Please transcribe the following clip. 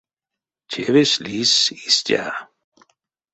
Тевесь лиссь истя.